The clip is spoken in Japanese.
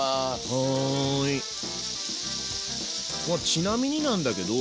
ちなみになんだけど。